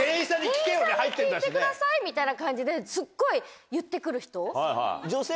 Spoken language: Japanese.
店員さんに聞いてくださいみたいな感じですっごい言って来る人。